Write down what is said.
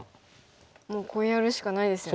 もうこうやるしかないですよね。